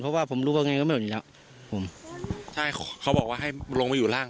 เพราะว่าผมรู้ว่าไงก็ไม่หมดอยู่แล้วผมใช่เขาบอกว่าให้ลงไปอยู่ร่าง